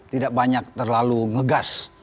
tidak banyak terlalu ngegas